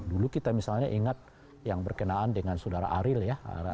dulu kita misalnya ingat yang berkenaan dengan saudara ariel ya